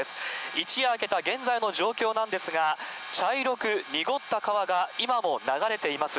一夜明けた現在の状況なんですが、茶色く濁った川が今も流れています。